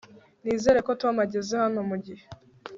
nizere ko tom ageze hano mugihe